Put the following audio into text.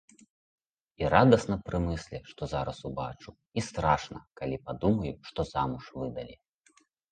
І радасна пры мыслі, што зараз убачу, і страшна, калі падумаю, што замуж выдалі.